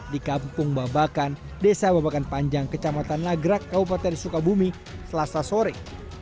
di kampung babakan desa babakan panjang kecamatan nagrak kabupaten sukabumi selasa sore